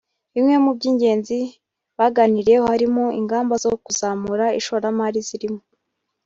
Bimwe mu by’ ingenzi baganiriyeho harimo ingamba zo kuzamura ishoramali zirimo